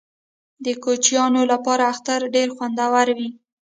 د کوچنیانو لپاره اختر ډیر خوندور وي.